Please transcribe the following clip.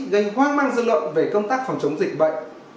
gây hoang mang dư luận về công tác phòng chống dịch bệnh